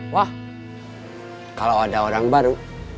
wah kalau ada orang baru